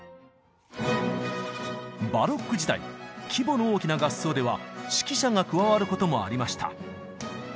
バロック時代規模の大きな合奏では指揮者が加わることもありました。